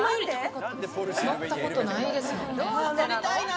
乗ったことないですよね？